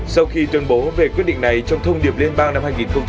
sau khi tuyên bố về quyết định này trong thông điệp liên bang năm hai nghìn một mươi ba